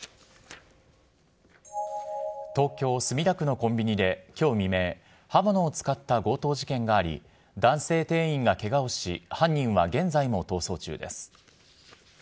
東京・墨田区のコンビニで、きょう未明、刃物を使った強盗事件があり、男性店員がけがをし、犯人は現在も逃走中です。